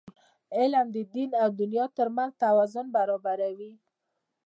علم د دین او دنیا ترمنځ توازن برابروي.